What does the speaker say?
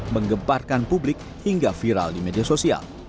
menggemparkan publik hingga viral di media sosial